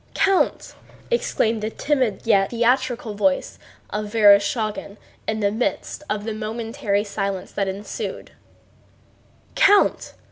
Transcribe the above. "Count!" exclaimed the timid yet theatrical voice of Vereshchágin in the midst of the momentary silence that ensued, "Count!